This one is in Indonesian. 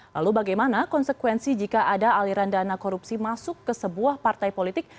lalu bagaimana konsekuensi jika ada aliran dana korupsi masuk ke sebuah partai politik